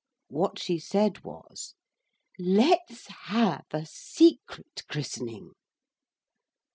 What she said was 'Let's have a secret christening.'